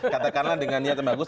katakanlah dengan niat yang bagus